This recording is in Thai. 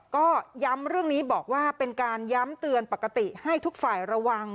ก็ย้ำเรื่องนี้บอกว่าเป็นการย้ำเตือนปกติให้ทุกฝ่ายระวัง